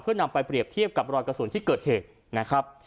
เพื่อนำไปเปรียบเทียบกับรอยกระสุนที่เกิดเหตุนะครับ